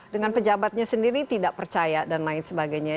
dengan pejabatnya sendiri tidak percaya dan lain sebagainya